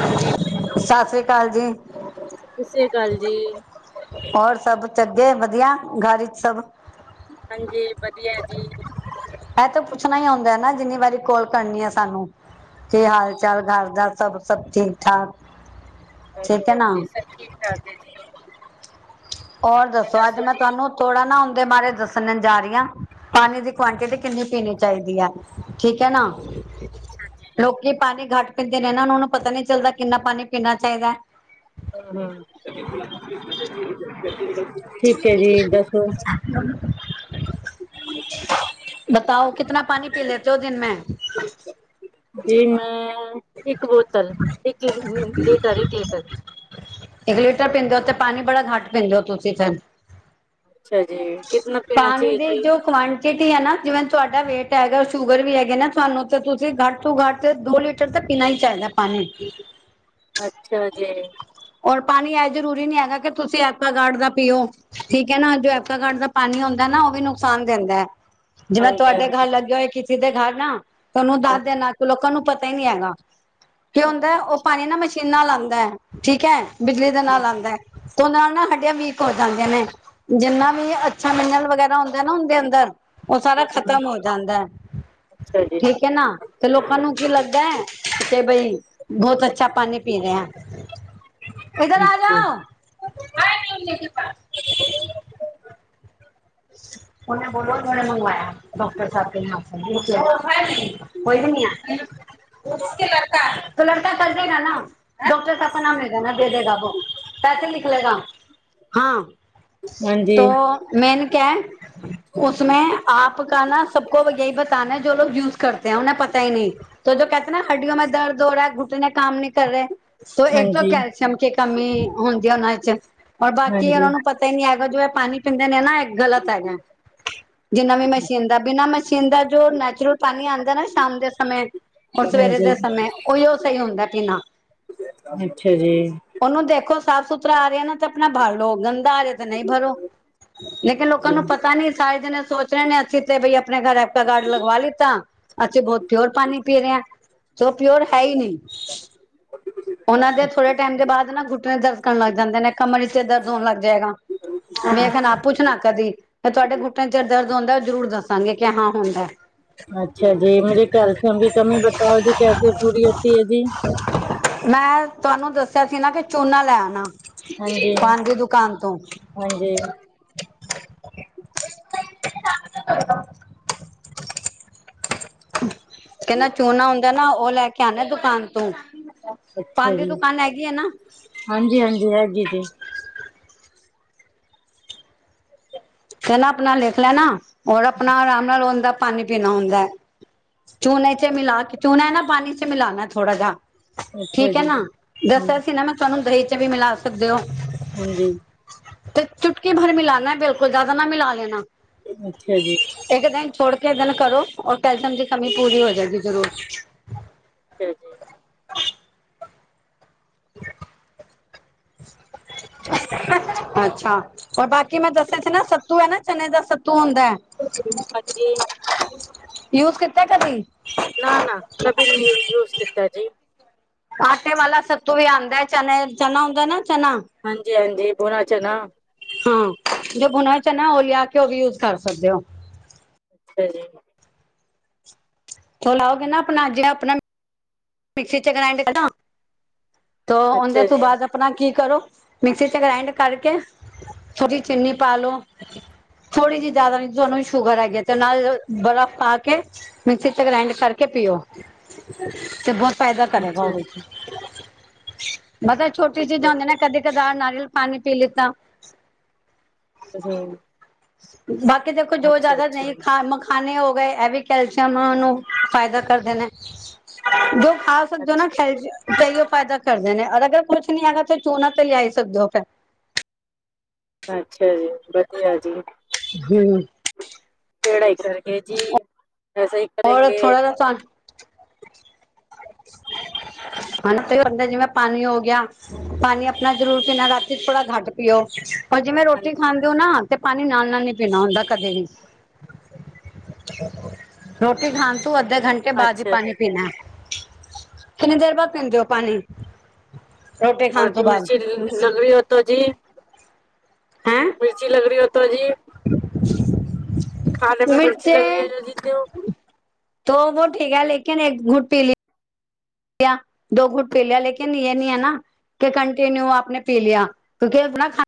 ਹਾਂਜੀ। ਸਤਿ ਸ਼੍ਰੀ ਅਕਾਲ ਜੀ। ਸਤਿ ਸ੍ਰੀ ਅਕਾਲ ਜੀ। ਹੋਰ ਸਭ ਚਗੇ, ਵਧੀਆਂ ਘਰ ਈਚ ਸਭ। ਹਾਂਜੀ, ਵਧੀਆ ਐ ਜੀ। ਇਹ ਤਾਂ ਪੁੱਛਣਾ ਹੀ ਹੁੰਦਾ ਐ ਨਾ, ਜਿੰਨੀ ਵਾਰੀ ਕੋਲ ਕਰਨੀ ਐ ਸਾਨੂੰ। ਕੀ ਹਾਲ ਚਾਲ, ਘਰ ਦਾ ਸਭ ਸਭ ਠੀਕ ਠਾਕ। ਠੀਕ ਹੈ ਨਾ ਹਾਂਜੀ-ਹਾਂਜੀ, ਸਭ ਠੀਕ-ਠਾਕ ਐ ਜੀ। ਹੋਰ ਦੱਸੋ ਅੱਜ ਮੈਂ ਤੁਹਾਨੂੰ ਥੋੜਾ ਨਾ ਉਨਦੇ ਬਾਰੇ ਦੱਸਣ ਜਾ ਰਹੀ ਆ, ਪਾਣੀ ਦੀ ਕੁਆਂਟਿਟੀ ਕਿੰਨੀ ਪੀਣੀ ਚਾਹੀਦੀ ਆ। ਠੀਕ ਐ ਨਾ ਲੋਕੀ ਪਾਣੀ ਘੱਟ ਪੀਂਦੇ ਨੇ ਨਾ ਉਹ ਨੂੰ ਪਤਾ ਨੀ ਚੱਲਦਾ ਕਿੰਨਾ ਪਾਣੀ ਪੀਣਾ ਚਾਹੀਦਾ ਐ। ਹੁੰ, ਠੀਕ ਐ ਜੀ ਦੱਸੋ? [inaudible] ਬਤਾਓ ਕਿਤਨਾ ਪਾਣੀ ਪੀ ਲੇਤੇ ਹੋ ਦਿਨ ਮੇ? ਜੀ ਮੈਂ ਇੱਕ ਬੋਤਲ ਇੱਕ ਲੀ ਟਰ ਇੱਕ ਲੀਟਰ ਇਕ ਲੀਟਰ ਪੀਂਦੇ ਊ ਤੇ, ਪਾਣੀ ਬੜਾ ਘੱਟ ਪੀਂਦੇ ਹੋ ਤੁਸੀਂ ਫੇਰ। ਅੱਛਾ ਜੀ, ਕਿਤਨਾ ਪੀਣਾ ਚਾਹੀਏ ਜੀ? ਜੋ ਕੁਆਂਟਿਟੀ ਤੇ ਆ ਨਾ ਜਿਵੇਂ ਤੁਹਾਡਾ ਵੇਟ ਐਗਾ ਸ਼ੂਗਰ ਵੀ ਐਗੇ ਨਾ, ਤੁਹਾਨੂੰ ਤੇ ਤੁਸੀਂ ਘੱਟ ਤੋਂ ਘੱਟ ਦੋ ਲੀਟ ਟਰ ਤਾਂ ਪੀਣਾ ਹੀ ਚਾਹੀਦਾ ਐ ਪਾਣੀ। ਅੱਛਾ ਜੀ। ਔਰ ਪਾਣੀ ਐ ਜਰੂਰੀ ਨਹੀਂ ਐਗਾ, ਕਿ ਤੁਸੀਂ ਅਕੁਆ ਗਾਡ ਦਾ ਪੀਓ, ਠੀਕ ਐ ਨਾ ਜੋ ਐਵਕਾਗਾਡ ਦਾ ਪਾਣੀ ਹੁੰਦਾ ਐ ਨਾ, ਉਹ ਵੀ ਨੁਕਸਾਨ ਦਿੰਦਾ ਐ। ਜਿਵੇਂ ਤੁਹਾਡੇ ਘਰ ਹਾਂਜੀ-ਹਾਂਜੀ, ਲੱਗੇ ਹੋਏ ਕਿਸੇ ਦੇ ਘਰ ਨਾ ਤਾਂ ਉਹਨੂੰ ਦੱਸ ਹਾਂਜੀ। ਦੇਣਾ ਲੋਕਾਂ ਨੂੰ ਪਤਾ ਹੀ ਨਹੀਂ ਐਗਾ, ਕੀ ਹੁੰਦਾ ਉਹ ਪਾਣੀ ਨਾ ਮਸ਼ੀਨਾਂ ਨਾਲ ਆਂਦਾ ਐ‌, ਠੀਕ ਐ ਬਿਜਲੀ ਦੇ ਨਾਲ ਹੂੰ, ਆਂਦਾ ਐ ਤੇ ਉਹ ਨਾਲ ਨਾ ਹੱਡੀਆਂ ਵੀ ਕ ਹੋ ਜਾਂਦੇ ਨੇ, ਜਿੰਨਾ ਵੀ ਅੱਛਾ ਮਿੰਨਲ ਵਗੈਰਾ ਹੁੰਦਾ ਨਾਂ ਓਂਦੇ ਅੰਦਰ ਉਹ ਸਾਰਾ ਖਤਮ ਹੋ ਜਾਂਦਾ ਐ। ਅੱਛਾ ਜੀ। ਠੀਕ ਐ ਨਾ ਤੇ ਲੋਕਾਂ ਨੂੰ ਕੀ ਲੱਗਦਾ ਐ ਕਿ ਬਈ ਬਹੁਤ ਅੱਛਾ ਪਾਣੀ ਪੀ ਰਹੇ ਆ, ਇਧਰ ਆ ਅੱਛਾ, ਜਾਓ। [unintelligible] ਉਹਨੇ ਬੋਲੋ ਉਨਹੋਣੇ ਮੰਗਵਾਇਆ ਡਾਕਟਰ ਸਾਹਿਬ [unintelligible] ਕੋਈ ਨਹੀਂ ਐ [unintelligible] ਲੜਕਾ ਕਰਤ ਰਏਗਾ ਨਾ। ਡੋਕਟਰ ਸਾਬ ਕਾ ਨਾਮ ਲੇਗਾ ਨਾ ਦੇ ਦੇਗਾ ਅਬ। ਪੈਸੇ ਲਿਖ ਲੇਗਾ। ਹਾਂ। ਹਾਂਜੀ, ਤੋ ਮੈਂਨ ਕਿਐ ਉਸਮੇ ਆਪ ਕਾ ਨਾ ਸਭਕੋ ਬ ਯਈ ਬਤਾਨੈ ਜੋ ਲੋਕ ਯੂਜ਼ ਕਰਤੇ ਐ। ਉਨਹੇ ਪਤੈ ਈ ਨੀ। ਜੋ-ਜੋ ਕੈਹਤੇ ਐ ਨਾ ਅੱਡਓ ਮੇ ਦਰਦ ਹੋ ਰਾ ਐ, ਘੁਟਨੇ ਕਾਮ ਨੀ ਕਰ ਰੇ ਤੋ ਏਕ ਤੋਂ ਹਾਂਜੀ, ਕੈਲ ਸ਼ੀਅਮ ਕੀ ਕਮੀ ਹੁੰਦੀ ਆ ਓਨਾਂ ਏੱਚ ਔਰ ਬਾਕੀ ਓਨਾਂ ਹਾਂਜੀ, ਨੂੰ ਪਤਾ ਈ ਨੀ ਐਗਾ ਜੋ ਐ ਪਾਨੀ ਪੀਂਦੇ ਨੇ ਨਾ ਗਲਤ ਹੈਗੈ। ਜਿੰਨਾ ਵੀ ਮਸ਼ੀਨ ਦਾ, ਬਿਨਾਂ ਮਸ਼ੀਨ ਦਾ ਜੋ ਨੈਚੁਰਲ ਪਾਨੀ ਆਂਦੈ ਨਾ ਸ਼ਾਮ ਦੇ ਸਮੇਂ ਔਰ ਸਵੇਰੇ ਹਾਂਜੀ। ਦੇ ਸਮਯ। ਓਯੀਓ ਸਈ ਹੁੰਦੈ ਪੀਨਾ। ਅੱਛਾ ਜੀ। ਓਨੂੰ ਦੇਖੋ ਸਾਫ਼ ਸੁਥਰਾ ਆ ਰਿਐ ਨਾ ਤੇ ਆਪਨਾ ਭਰ ਲੋ, ਗੰਦਾ ਆ ਰਿਐ ਤੇ ਨਈ ਭਰੋ। ਲੇਕਿਨ ਲੋਕਾਂ ਨੂੰ ਜੀ, ਪਤਾ ਨੀ ਸਾਰੇ ਜਨੇ ਸੋ ਚਿਆਂ ਨੇ ਅਸੀਂ ਤੇ ਬਈ ਆਪਨੇ ਘਰ ਐਕਵਆਗਾਰਡ ਲਗਵਾ ਲਿੱਤਾ। ਅਸੀਂ ਬੋਤ ਪਿਓਰ ਪਾਨੀ ਪੀ ਰੇ ਆਂ। ਤੇ ਓ ਪਿਓਰ ਹੈ ਈ ਨੀ। ਓਨਾਂ ਦੇ ਥੋੜੇ ਟਾਈਮ ਦੇ ਬਾਦ ਨਾ ਘੁੱਟਨੇ ਦਰਦ ਕਰਨ ਲੱਗ ਜਾਂਦੇ ਨੇ। ਕਮਰ ਇੱਚ ਦਰਦ ਹੋਨ ਲੱਗ ਜਾਏਗਾ। ਐ ਵੇਖਨਾ, ਅੱਛਾ। ਆ ਪੁੱਛਨਾ ਕਦੀ ਕਿ ਤੁਆਡੇ ਘੁੱਟਨਿਆਂ ਏੱਚ ਦਰਦ ਹੁੰਦੈ। ਓ ਜਰੂਰ ਦੱਸਾਂਗੇ ਕਿ ਹਾਂ ਹੁੰਦੈ। ਅੱਛਾ ਜੀ, ਮੇਰੀ ਕੈਲਸ਼ੀਅਮ ਕੀ ਕਮੀ ਬਤਾਓ ਜੀ ਕੈਸੇ ਪੂਰੀ ਹੋਤੀ ਐ ਜੀ? ਮੈਂ ਤੁਆਨੂੰ ਦੱਸਿਆ ਸੀ ਨਾ ਕਿ ਚੂਨਾ ਲੈ ਨਾ ਪਾਨ ਦੀ ਦੁਕਾਨ ਤੋਂ। [inaudible] ਏ ਨਾ ਚੂਨਾ ਹੁੰਦੈ ਨਾ ਓ ਲੈ ਕੇ ਆਨੈ ਦੁਕਾਨ ਤੋਂ। ਅੱਛਾ ਪਾਨ ਦੀ ਜੀ। ਦੁਕਾਨ ਹੈਗੀ ਹੈ ਨਾ ਹਾਂਜੀ-ਹਾਂਜੀ ਹੈਗੀ ਜੀ। ਤੇ ਨਾ ਆਪਨਾ ਲਿੱਖ ਲੈਨਾ ਔਰ ਆਪਨਾ ਆਰਾਮ ਨਾਲ ਓਂਦਾ ਪਾਨੀ ਪੀਨਾ ਹੁੰਦੈ। ਚੂਨੇ 'ਚ ਮਿਲਾ ਕੇ ਚੂਨਾ ਐ ਨਾ ਪਾਨੀ 'ਚ ਮਿਲਾਨੈ ਥੋੜਾ ਜਾ ਅੱਛਾ ਠੀਕ ਐ ਜੀ, ਨਾ। ਹੂੰ, ਦੱਸਿਆ ਸੀ ਨਾ ਮੈਂ ਤੁਆਨੂੰ ਦਹੀਂ 'ਚ ਵੀ ਮਿਲਾ ਸਕਦੇ ਓ। ਹਾਂਜੀ। ਤੇ ਚੁਟਕੀ ਭਰ ਮਿਲਾਨੈ। ਬਿਲਕੁਲ ਜਾਦਾ ਨਾ ਮਿਲਾ ਲੈਨਾ। ਅੱਛਾ ਜੀ। ਏੱਕ ਦਿਨ ਛੋੜ ਕੇ ਏੱਕ ਦਿਨ ਕਰੋ ਔਰ ਕੈਲਸ਼ੀਅਮ ਦੀ ਕਮੀ ਪੂਰੀ ਹੋ ਜੇਗੀ, ਜਰੂਰ। ਅੱਛਾ ਜੀ। [unintelligible] ਅੱਛਾ। ਹੋਰ ਬਾਕੀ ਮੈਂ ਦੱਸਿਐ ਸੀ ਨਾ ਸੱਤੂ ਐ ਨਾ ਚਨੇ ਦਾ ਸੱਤੂ ਹੁੰਦੈ ਹਾਂਜੀ, ਯੂਜ਼ ਕੀਤੈ ਕਦੀ? ਨਾ-ਨਾ ਕਦੀ ਨੀ ਯੂ ਯੂਜ਼ ਕੀਤਾ ਜੀ। ਆਟੇ ਵਾਲਾ ਸਤੂ ਵੀ ਆਂਦੈ ਚਨੇ, ਚਨਾ ਹੁੰਦੈ ਨਾ ਚਨਾ ਹਾਂਜੀ-ਹਾਂਜੀ ਭੂਨਾ ਚਨਾ। ਹਾਂ, ਜੋ ਭੂਨਾ ਐ ਚਨਾ ਓ ਲਿਆ ਕੇ ਓ ਵੀ ਯੂਜ਼ ਕਰ ਸਕਦੇ ਓ। ਅੱਛਾ ਜੀ। ਚ ਲਾਓਗੇ ਨਾ ਆਪਨਾ ਜੜਾ ਆਪਨਾ ਮਿਕਸੀ 'ਚ ਗ੍ਰੈਂਡ ਕਰਨਾ ਤੋਂ ਓਂਦੇ ਅੱਛਾ ਤੋਂ ਜੀ, ਬਾਦ ਆਪਨਾ ਕੀ ਕਰੋ, ਮਿਕਸੀ 'ਚ ਗ੍ਰਾਇੰਡ ਕਰਕੇ ਥੋੜੀ ਚੀਨੀ ਪਾ ਲੋ ਥੋੜੀ ਜੀ, ਜਿਆਦਾ ਨੀ। ਜੇ ਓਨਾਂ ਨੂੰ ਸ਼ੂਗਰ ਹੈਗੀ ਏ ਤੇ ਨਾਲ ਬਰਫ਼ ਪਾ ਕੇ ਮਿਕਸੀ 'ਚ ਗ੍ਰਾਇੰਡ ਕਰਕੇ ਪੀਓ। ਤੇ ਬੋਤ ਫਾਇਦਾ ਕਰੇਗਾ ਓ ਅੱਛਾ ਵੀ। ਜੀ। ਮਤਬ ਛੋਟੀ ਠੀਕ ਹੈ ਚੀਜਾਂ ਹੁੰਦੀਐਂ ਜੀ, ਨਾ ਕਦੀ ਧਾ ਨਾਰੀਅਲ ਪਾਨੀ ਪੀ ਲਿੱਤਾ ਤੇ ਹੂੰ। ਬਾਕੀ ਦੇਖੋ ਜੋ ਜਾਦਾ ਨਈ ਅੱਛਾ-ਅੱਛਾ, ਖਾ ਮ ਖਾਨੇ ਹੋ ਗਏ ਐ ਵੀ ਕੈਲਸ਼ੀਅਮ ਨੂੰ ਓਨੂੰ ਫਾਇਦਾ ਕਰਦੇ ਨੇ। ਜੋ ਖਾਸ ਸਕਦੇ ਓ ਨਾ ਅੱਛਾ ਜੀ। ਖੈਲਸ਼ੀਅ ਅਈਯੋ ਫਾਈਦਾ ਕਰਦੇ ਨੇ। ਅਗਰ ਜੇ ਕੁੱਛ ਨੀ ਹੈਗਾ ਤੇ ਚੂਨਾ ਤੇ ਲਿਆ ਈ ਸਕਦੇ ਓ ਫੇਰ। ਅੱਛਾ ਜੀ, ਵਧੀਆ ਜੀ। ਹੂੰ। ਪੇੜਾ ਈ ਕਰਕੇ ਜੀ, ਐਸਾ ਈ ਔਰ ਕਰੇਗੇ। ਥੋੜਾ ਜਿਹਾ ਤੁਹਾਨੂੰ [inaudible] ਸਾਨੂੰ ਤੇ ਅਈਯੋ ਲੱਗਦੈ ਜਿਵੇਂ ਪਾਨੀ ਹੋ ਗਿਆ ਪਾਨੀ ਆਪਨਾ ਜਰੂਰ ਪੀਨਾ। ਰਾਤੀ ਥੋੜਾ ਗੱਟ ਪੀਓ ਔਰ ਜਿਵੇਂ ਰੋਟੀ ਖਾਂ ਦੇ ਓ ਨਾ ਤੇ ਪਾਨੀ ਨਾਲ-ਨਾਲ ਨੀ ਪੀਨਾ ਹੁੰਦਾ ਕਦੇ ਵੀ ਰੋਟੀ ਖਾਨ ਤੂੰ ਅੱਧੇ ਘੰਟੇ ਬਾਦ ਈ ਪਾਨੀ ਪੀਨੈ। ਕਿੰਨੀ ਦੇਰ ਬਾਦ ਪੀਂਦੇ ਓ ਪਾਨੀ? ਹੋਰ ਜੀ ਮਿਰਚੀ ਲ ਲਗਨੀ ਓ ਤੋਂ ਜੀ। ਮਿਰਚੀ ਲੱਗ ਰੀ ਓ ਤੋ‌ ਜੀ। [unintelligible] ਖਾਨੇ ਮੇਂ ਮਿਰਚੀ ਲਗ ਰੀ ਐ ਜੋ ਜੀ ਤੋ ਤੋ ਵੋ ਠੀਕ ਐ ਲੇਕਿਨ ਏਕ ਘੂੰਤ ਪੀ ਲਿ ਆ ਦੋ ਗੁੱਟ ਪੀ ਲਿਆ ਲੇਕਿਨ ਯੇ ਨੀ ਐ ਨਾ ਤੇ ਕੰਟੀਨਿਊ ਆਪ ਨੇ ਪੀ ਲਿਆ ਕਿਉਂਕਿ ਅਬ ਨਾ ਖਾ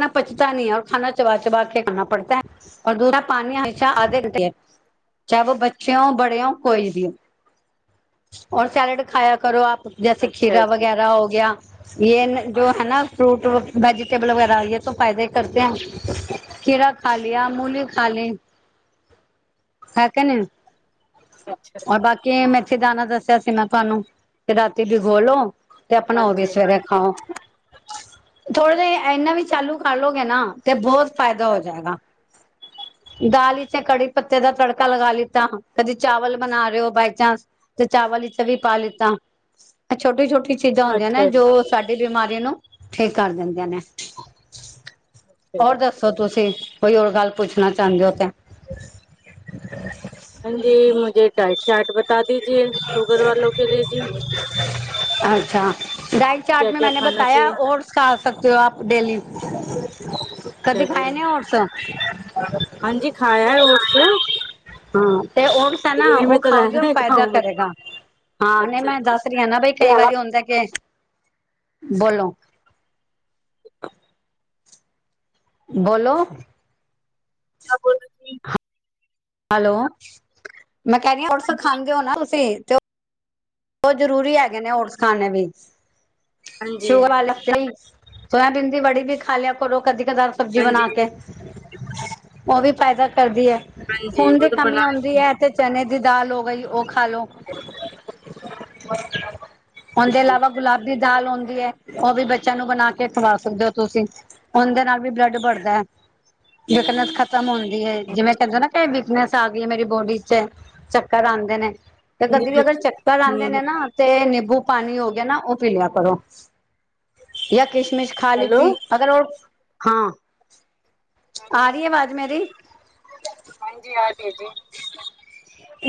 ਨਾ ਪਚਤਾ ਨੀ ਐ ਔਰ ਖਾਨਾ ਚਬਾ-ਚਬਾ ਕੇ ਖਾਨਾ ਪੜਤੈ। ਔਰ ਦੂਸਰਾ ਪਾਨੀ ਹਮੇਸ਼ਾ ਆਧੇ ਘੰਟੇ ਚਾਏ ਵੋ ਬੱਚੇ ਓਂ, ਬੜੇ ਓਂ, ਕੋਈ ਬੀ ਓਂ। ਔਰ ਸੈਲਡ ਖਾਇਆ ਕਰੋ ਆਪ। ਜੈਸੇ ਖੀਰਾ ਵਗੈਰਾ ਹੋ ਗਿਆ। ਯੇ ਐ ਨਾ ਜੋ ਹੈ ਨਾ ਫਰੂਟ ਵ ਵੈਜੀਟੇਬਲ ਵਗੈ ਰਾ ਯੇ ਤੋ ਫਾਇਦੇ ਈ ਕਰਦੇ ਐਂ। ਖੀਰਾ ਖਾ ਲੀਆ, ਮੂਲੀ ਖਾ ਲਈ ਹੈ ਕੇ ਨੀ। ਅੱਛਾ। ਅ ਬਾਕੀ ਮੇਥੀ ਦਾਨਾ ਦੱਸਿਆ ਸੀ ਮੈਂ ਤੁਆਨੂੰ ਕਿ ਰਾਤੀ ਭੀਗੋ ਲੋ ਤੇ ਅਪਨਾ ਓ ਵੀ ਸਵੇਰੇ ਖਾਓ। ਥੋੜੇ ਜੇ ਐਨਾਂ ਵੀ ਚਾਲੂ ਕਰ ਲੋਗੇ ਨਾ ਤੇ ਬੋਤ ਫ਼ਾਇਦਾ ਹੋ ਜਾਏਗਾ। ਦਾਲ ਇੱਚ ਐ ਕੜੀ ਪੱਤੇ ਦਾ ਤੜਕਾ ਲਗਾ ਲਿੱਤਾ, ਕਦੀ ਚਾਵਲ ਬਨਾ ਰੇ ਓ ਬਾਏ ਚਾਂਸ ਤੇ ਚਾਵਲ ਵਿੱਚ ਵੀ ਪਾ ਲਿੱਤਾ। ਐ ਛੋਟੀ-ਛੋਟੀ ਚੀਜਾਂ ਹੁੰਦੀਆਂ ਨੇ ਜੋ ਸਾਡੀ ਬਿਮਾਰੀ ਨੂੰ ਠੀਕ ਕਰ ਦਿੰਦੀਆਂ ਨੇ। ਔਰ ਦੱਸੋ ਤੁਸੀਂ, ਕੋਈ ਹੋਰ ਗੱਲ ਪੁੱਛਨਾ ਚਾਂਦੇ ਓ ਤਾਂ? ਆਉਂਦੀ ਮੁੜਕੇ ਟਾਈਟ ਅੱਛਾ [unintelligible] ਚਾਰਟ ਮੇਂ ਮੈਨੇ ਬਤਾਇਆ ਓਟਸ ਖਾ ਸਕਦੇ ਓ ਆਪ ਡੇਲੀ। ਕਬੀ ਖਾਇਆ ਨੀ ਓਟਸ। [unintelligible] ਹਾਂ ਤੇ ਓਟਸ ਐ ਨਾ ਓ ਖਾਓਗੇ ਦਾ ਕਰੇਗਾ। ਹਾਂ ਨਈ ਮੈਂ ਦੱਸ ਰੀ ਆਂ ਨਾ ਬਈ ਕਈ ਵਾਰੀ ਹੁੰ ਦੈ ਕਿ, ਬੋਲੋ ਬੋਲੋ? ਕਯਾ ਬੋਲ ਰੀ? ਹੈਲੋ, ਮੈਂ ਕਹਿ ਰਹ ਔਰਸ ਖਾਂਦੇ ਔ ਨਾ ਤੁਸੀਂ? ਬਹੁਤ ਜ਼ਰੂਰੀ ਹੈਗੇ ਨੇ ਹੋਰਸ ਖਾਣੇ ਵੀ ਸ਼ੂਗਰ ਵਾਲੇ। ਤੇਹੀ ਸੋਆਬੀ ਦੀ ਬੜੀ ਵੀ ਖਾ ਲਿਆ ਕਰੋ ਕਦੀ- ਕਧਾਰ ਸਬਜ਼ੀ ਬਣਾ ਕੇ। ਉਹ ਵੀ ਪੈਦਾ ਕਰਦੀ ਏ। ਖੂਨ ਦੀ ਕਮੀ ਔਦੀ ਏ। ਚਨੇ ਦੀ ਦਾਲ ਹੋ ਗਈ ਉਹ ਖਾ ਲੋ। ਉਹਦੇ ਇਲਾਵਾ, ਗੁਲਾਬੀ ਦਾਲ ਹੁੰਦੀ ਏ। ਉਹ ਵੀ ਬੱਚਿਆਂ ਨੂੰ ਬਣਾ ਕੇ ਖਵਾ ਸਕਦੇ ਹੋ ਤੁਸੀ? ਉਹਦੇ ਨਾਲ ਵੀ ਬਲੱਡ ਬੜਦਾ ਏ। ਜੇਕਨ ਅੱਜਕਲ ਖਤਮ ਹੁੰਦੀ ਏ। ਜਿਵੇਂ ਕਹਿੰਦੇ ਨਾ ਕਿ ਵੀਕਨੈਸ ਆ ਗਈ ਏ ਮੇਰੀ ਬੋਡੀ ਚ ਚੱਕਰ ਆਦੇ ਨੇ। ਤੇ ਕਦੇ ਵੀ ਅਗਰ ਚੱਕਰ ਆਦੇ ਨੇ ਨਾ ਤੇ ਨਿੰਬੂ ਪਾਣੀ ਹੋ ਗਿਆ ਨਾ ਉਹ ਪੀ ਲਿਆ ਕਰੋ। ਜਾਂ ਕਿਸ਼ਮਿਸ਼ ਖਾ ਲੀਤੀ, ਅਗਰ ਉਹ ਹਾਂ। ਆ ਰਹੀ ਆਵਾਜ਼ ਮੇਰੀ? ਹਾਂਜੀ ਆ ਰਏ ਜੀ।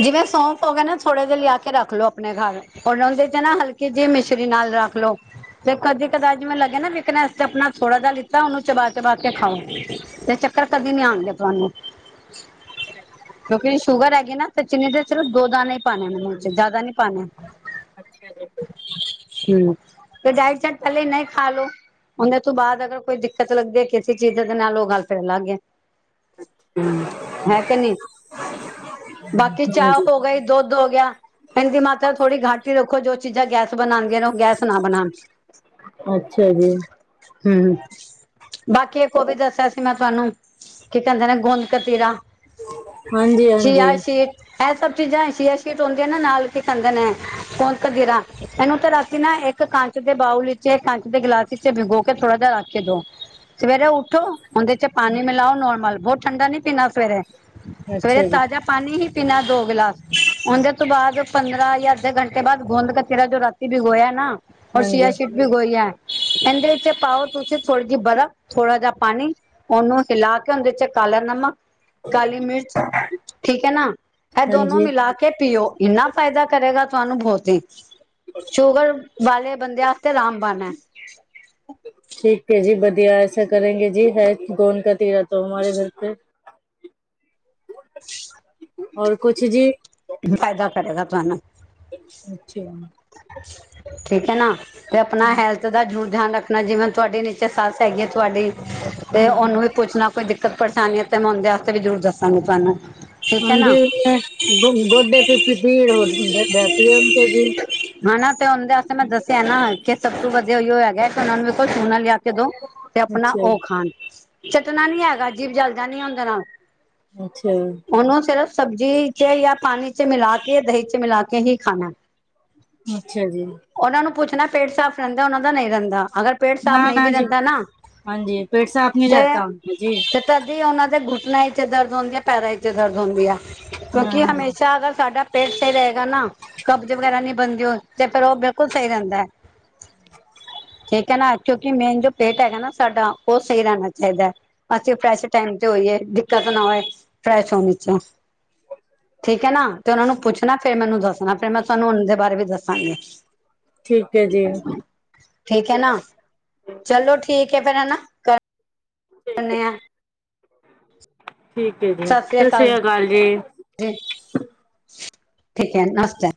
ਜਿਵੇਂ ਸੌਂਫ ਹੋ ਗਏ ਨਾ, ਥੋੜੇ ਜ ਲਿਆ ਕੇ ਰੱਖ ਲੋੋ ਆਪਣੇ ਘਰ। ਹੁਣ ਉਹਦੇ ਚ ਨਾ ਹਲਕੀ ਜਿਹੀ ਮਿਸ਼ਰੀ ਨਾਲ ਰੱਖ ਲਾਓ। ਤੇ ਕਦੀ ਕਦਾਰ ਜਿਵੇਂ ਲੱਗਿਆ ਨਾ ਵਿਕਨਸ ਚ ਆਪਣਾ ਥੋੜਾ ਜਹਾ ਲਿੱਤਾ ਉਹਨੂੰ ਚਬਾ-ਚਬਾ ਕੇ ਖਾਓ। ਤੇ ਚੱਕਰ ਕਦੀ ਨੀ ਆਉਣਗੇ ਤੁਹਾਨੂੰ। ਅੱਛਾ ਕਿਉਂਕਿ ਸ਼ੂਗਰ ਹੈਗੀ ਨਾ ਤੇ ਚੀਨੀ ਦੇ ਸਿਰਫ ਦੋ ਦਾਣੇ, ਪਾਣੇ ਨੇ ਮੂੰਹ ਚ ਜ਼ਿਆਦਾ ਨੀ ਪਾਣੇ। ਅੱਛਾ ਜੀ। ਹਮ ਜਾਈ ਚ ਕੱਲੇ ਨਹੀਂ ਖਾ ਲੋ। ਉਹੇ ਤੋਂ ਬਾਅਦ ਅਗਰ ਕੋਈ ਦਿੱਕਤ ਲੱਗੇ ਕਿਸੇ ਚੀਜ਼ ਦੇ ਨਾਲ ਉਹ ਗੱਲ ਤੇ ਅਲੱਗ ਏ। ਨਹੀਂ ਹਮ ਬਾਕੀ ਚਾਹ ਹੋ ਗਈ, ਦੁੱਧ ਹੋ ਗਿਆ। ਇਹਨ ਕੀ ਮਾਤਾਰਾ ਥੋੜ੍ਹੀ ਗੱਟ ਈ ਰੱਖੋ। ਜੋ ਚੀਜ਼ਾਂ ਗੈਸ ਬਣਾਦੀਆ ਨੇ ਉਹ ਗੈਸ ਨਾ ਬਣਾਣ। ਅੱਛਾ ਜੀ। ਹਮ ਬਾਕੀ ਇੱਕ ਉਹ ਵੀ ਦੱਸਿਆ ਸੀ ਮੈਂ ਤੁਹਾਨੂੰ ਕੀ ਕਹਿੰਦੇ ਨੇ ਗੁੰਦਕਤੀਰਾ। ਛੀ ਹਾਂਜੀ-ਹਾਂਜੀ, ਆ ਇਹ ਸਭ ਚੀਜ਼ਾਂ ਸ਼ੀਆ ਸ਼ੀਟ ਹੁੰਦੀਆਂ ਨੇ ਇੱਥੇ ਨਾਲ਼ ਕੀ ਕਹਿੰਦੇ ਨੇ ਗੂੰਦਕਤੀਰਾ ਇਹਨੂੰ ਤਾਂ ਰਾਤੀਂ ਨਾ ਇੱਕ ਕੰਚ ਦੇ ਬਾਊਲ ਵਿੱਚ ਕੰਚ ਦੇ ਗਿਲਾਸ ਵਿੱਚ ਵਿੰਗੋ ਕੇ ਥੋੜ੍ਹਾ ਜਾ ਰੱਖ ਕੇ ਦੋ ਸਵੇਰੇ ਉੱਠੋ ਉਨਦੇ ਚ ਪਾਣੀ ਮਿਲਾਓ ਨੋਰਮਲ, ਬਹੁਤ ਠੰਢਾ ਨੀ ਪੀਣਾ ਸਵੇਰੇ, ਸਵੇਰੇ ਅੱਛਾ ਜੀ, ਤਾਜ਼ਾ ਪਾਣੀ ਹੀ ਪੀਣਾ ਦੋ ਗਿਲਾਸ, ਉਨਦੇ ਤੋਂ ਬਾਅਦ ਪੰਦਰਾਂ ਜਾਂ ਅੱਧੇ ਘੰਟੇ ਬਾਅਦ ਗੋਂਦ ਕਤੀਰਾ ਜੋ ਰੱ ਬਿਗੋਆ ਨਾ ਔਰ ਸ਼ੀਆ ਹਾਂਜੀ, ਸ਼ੀਡ ਇਨਦੇ ਵਿੱਚ ਪਾਓ ਤੁਸੀਂ ਥੋੜ੍ਹੀ ਜੀ ਬਰਫ਼ ਥੋੜ੍ਹਾ ਜਾ ਪਾਣੀ ਉਹਨੂੰ ਹਿਲਾ ਕੇ ਉਹਦੇ ਚ ਕਾਲਾ ਨਮਕ, ਕਾਲੀ ਮਿਰਚ- ਠੀਕ ਐ ਨਾ, ਇਹ ਦੋਨੋਂ ਹਾਂਜੀ। ਮਿਲਾ ਕੇ ਪੀਓ ਇੰਨਾ ਫ਼ਾਇਦਾ ਕਰੇਗਾ ਤੁਹਾਨੂੰ ਬਹੁਤ ਈ ਸ਼ੂਗਰ ਵਾਲੇ ਬੰਦਿਆਂ ਆਸਤੇ ਰਾਮਬਾਨ ਏ। [inaudible] ਠੀਕ ਐ ਜੀ ਵਧੀਆਂ ਐਸਾ ਕਰੇਗੇ ਜੀ ਹੈ ਗੋਦ ਕਾਤੀਰਾ ਤੋਂ ਹਮਾਰੇ ਗਰ ਪੇ। ਹੋਰ ਕੁਛ ਜੀ। ਫ਼ਾਇਦਾ ਕਰੇਗਾ ਤਾਹਨੂੰ ਅੱਛਾ ਠੀਕ ਹੈ ਨਾ ਤੇ ਆਪਣਾ ਹੈਲਥ ਦਾ ਜ਼ਰੂਰ ਧਿਆਨ ਰੱਖ ਜਿਵੇਂ ਤੁਹਾਡੀ ਨੀਚੇ ਸੱਸ ਹੈਗੀ ਐ ਤੁਹਾਡੀ ਓ ਉਹਨੂੰ ਪੁਛਨਾ ਕੋਈ ਦਿੱਕਤ ਪਰੇਸ਼ਾਨੀ ਹੈ ਤਾਂ ਮੈਂ ਉਨਦੇ ਵਾਸਤੇ ਵੀ ਜ਼ਰੂਰ ਦੱਸਾਂਗੀ ਤੁਹਾਨੂੰ ਠੀਕ ਹੈ ਨਾ ਹਾਂਜੀ ੳਉਨੇ ਗੋਡੇ ਬੀਬੀ ਪੀੜ ਹੋਤੇ ਤੇ ਬੈਠੀ ਐ ਬਚੇਰੀ ਹਨਾ ਤੇ ਉਹਦੇ ਆਸਤੇ ਮੈਂ ਦੱਸਿਆਂ ਨਾ ਕਿ ਸਭ ਤੋਂ ਵਧੀਆਂ ਉ ਹੈਗਾ ਤੇ ਉਹਨਾ ਨੂੰ ਲਿਆ ਕੇ ਦੋ ਤੇ ਆਪਣਾ ਉਹ ਖਾਣ, ਚੱਟਣਾ ਨੀ ਹੈਗਾ ਜੀਵ ਜਲ ਜਾਨੀ ਨੀ ਓਨਦੇ ਨਾਲ਼। ਅੱਛਿਆਂ ਜੀ ਉਹਨੂੰ ਸਿਰਫ਼ ਸਬਜ਼ੀ ਚ ਜਾਂ ਪਾਣੀ ਚ ਮਿਲਾ ਕੇ ਦਹੀਂ ਚ ਮਿਲਾ ਕੇ ਹੀ ਖਾਣਾ- ਅੱਛਿਆਂ ਜੀ। ਉਹਨਾਂ ਨੂੰ ਪੁੱਛਣਾ ਪੇਟ ਸਾਫ਼ ਰਹਿੰਦਾ ਉਹਨਾਂ ਦਾ ਨਹੀਂ ਰਹਿੰਦਾ ਅਗਰ ਪੇਟ ਸਾਫ਼ ਨਹੀਂ ਵੀ ਰਹਿੰਦਾ ਨਾ ਤੋਂ ਕਦੀ ਉਹਨਾਂ ਦੇ ਗੁਟਨੇ ਚ ਦਰਦ ਹੁੰਦੀ ਐ, ਪੈਰਾਂ ਚ ਦਰਦ ਹੁੰਦੀ ਆ ਕਿਉਂਕਿ ਹਮੇਸ਼ਾ ਅਗਰ ਸਾਡਾ ਪੇਟ ਸਹੀ ਰਹੇਗਾ ਨਾ ਕਬਜ਼ ਵਗੈਰਾ ਨ੍ਹੀਂ ਬਣਦੀ ਓ ਤੇ ਫ਼ਿਰ ਉਹ ਬਿਲਕੁਲ ਸਹੀ ਰਹਿੰਦਾ ਏ। [inaudible] ਠੀਕ ਐ ਨਾ ਕਿਉਂਕਿ ਮੇਨ ਜੋ ਪੇਟ ਹੈਗਾ ਨਾ ਸਾਡਾ ਉਹ ਸਹੀ ਰਹਿਣਾ ਚਾਹੀਦਾ ਐ। ਅਸੀਂ ਫਰੈਸ਼ ਟਾਈਮ ਤੇ ਹੋਈਏ ਦਿੱਕਤ ਨਾ ਹੋਵੇ ਫਰੈਸ਼ ਹੋਣੇ ਚ ਠੀਕ ਹੈ ਨਾ ਤੇ ਉਹਨਾਂ ਨੂੰ ਪੁੱਛਣਾ ਫ਼ੇਰ ਮੈਨੂੰ ਦੱਸਣਾ, ਫੇ਼ਰ ਮੈਂ ਤੁਹਾਨੂੰ ਉਹ ਦੇ ਬਾਰੇ ਵੀ ਦੱਸਾਂਗੀ। ਠੀਕ ਹੈ ਨਾ ਚਲੋ ਠੀਕ ਹੈ ਫੇ਼ਰ ਹੈਨਾ ਕਰ ਨੇ ਆ ਠੀਕ ਹੈ ਜੀ ਸਤਿ ਸ੍ਰੀ ਅਕਾਲ ਸੱਸ੍ਰੀ ਕਾਲ ਜੀ। ਠੀਕ ਹੈ ਨਮਸਤੇ।